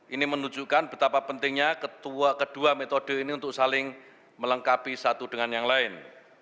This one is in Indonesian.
ini menunjukkan betapa pentingnya kedua metode ini untuk saling melengkapi satu dengan yang lain